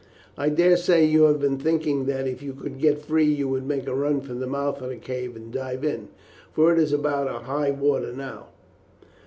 I dare say you have been thinking that if you could get free you would make a run for the mouth of the cave and dive in, for it is about high water now."